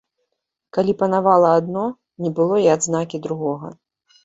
Калі панавала адно, не было і адзнакі другога.